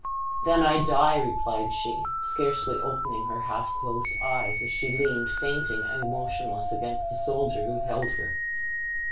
"Then I die," replied she, scarcely opening her half closed eyes, as she leaned, fainting and motionless, against the soldier who held her.